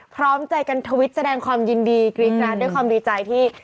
พร้อมใจกันทวิตแสดงความยินดีกรี๊ดด้วยความดีใจที่